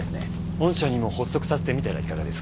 御社にも発足させてみたらいかがですか？